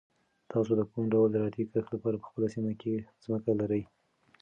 تاسو د کوم ډول زراعتي کښت لپاره په خپله سیمه کې ځمکه لرئ؟